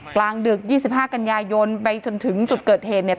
กลางดึก๒๕กันยายนไปจนถึงจุดเกิดเหตุเนี่ย